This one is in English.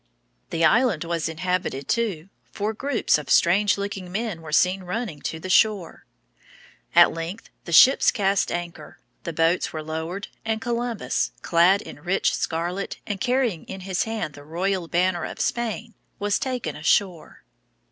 The island was inhabited, too, for groups of strange looking men were seen running to the shore. At length the ships cast anchor, the boats were lowered, and Columbus, clad in rich scarlet and carrying in his hand the royal banner of Spain, was taken ashore.